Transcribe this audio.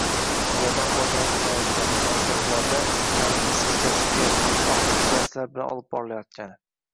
bulardan foydalanilmayotgani, maktablarda ta’lim eskichasiga – og‘zaki darslar bilan olib borilayotgani